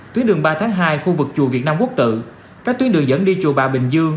tuyến đường ba tháng hai khu vực chùa việt nam quốc tự các tuyến đường dẫn đi chùa bà bình dương